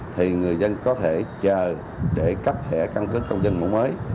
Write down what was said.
thì người dân có thể chờ để cấp thẻ căn cước công dân mẫu mới